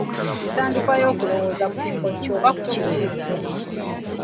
Entandikwa y'okulowooza ku kikoco oba ku kibuuzo.